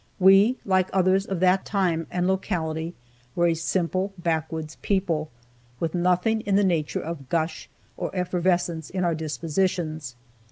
We, like others of that time and locality, were a simple, backwoods people, with nothing in the nature of gush or effervescence in our dispositions.